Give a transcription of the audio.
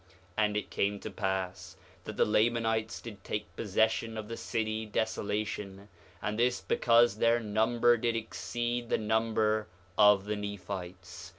4:13 And it came to pass that the Lamanites did take possession of the city Desolation, and this because their number did exceed the number of the Nephites.